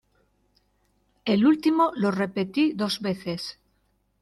el último lo repetí dos veces: